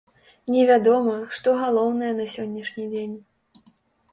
Невядома, што галоўнае на сённяшні дзень.